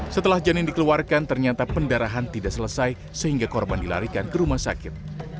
setelah janin dikeluarkan ternyata pendarahan tidak selesai sehingga korban dilarikan ke rumah sakit